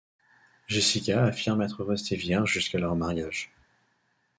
Jessica affirme être restée vierge jusqu'à leur mariage.